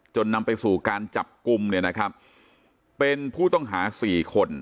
นำไปสู่การจับกลุ่มเนี่ยนะครับเป็นผู้ต้องหาสี่คน